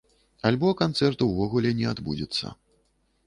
Альбо канцэрт увогуле не адбудзецца.